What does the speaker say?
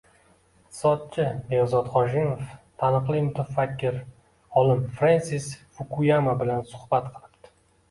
Iqtisodchi Behzod Hoshimov taniqli mutafakkir, olim Frensis Fukuyama bilan suhbat qilibdi.